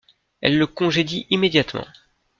Elle le congédie immédiatement.